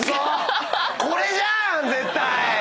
これじゃん絶対！